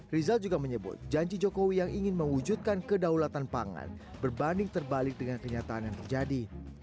rizal juga menyebut janji jokowi yang ingin mewujudkan kedaulatan pangan berbanding terbalik dengan kenyataan yang terjadi